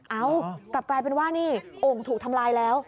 เอ้ากลับกลายเป็นว่านี่โอ่งถูกทำลายแล้ว